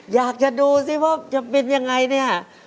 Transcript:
อยากจะดูสิว่าจะเป็นยังไงเนี่ย